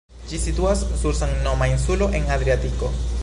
Ĝi situas sur samnoma insulo en Adriatiko.